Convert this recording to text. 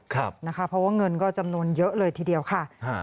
เพราะว่าเงินก็จำนวนเยอะเลยทีเดียวค่ะ